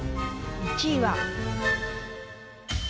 １位は。